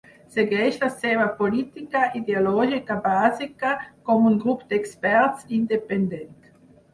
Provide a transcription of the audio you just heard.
Segueix la seva política ideològica bàsica com un grup d'experts independent.